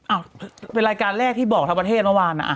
อ้าวเป็นรายการแรกที่บอกทั้งประเทศเมื่อวานนะ